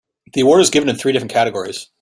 This award is given in three different categories.